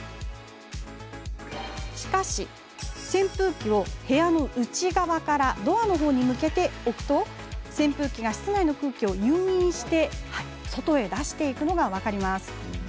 しかし、扇風機を部屋の内側からドアのほうに向けて置くと扇風機が室内の空気を誘引して外へ出していくのが分かります。